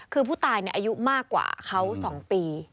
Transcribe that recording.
คือผู้ตายอายุมากกว่าเขา๒ปี